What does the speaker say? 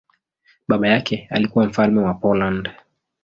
Baba yake alikuwa mfalme wa Poland.